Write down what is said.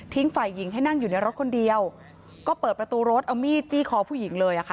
ฝ่ายหญิงให้นั่งอยู่ในรถคนเดียวก็เปิดประตูรถเอามีดจี้คอผู้หญิงเลยอะค่ะ